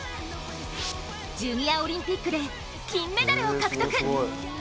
ジュニアオリンピックで金メダルを獲得。